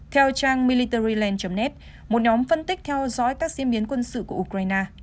theo trang milliterreland net một nhóm phân tích theo dõi các diễn biến quân sự của ukraine